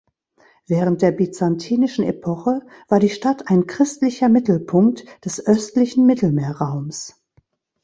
Während der byzantinischen Epoche war die Stadt ein christlicher Mittelpunkt des östlichen Mittelmeerraums.